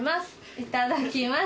いただきます。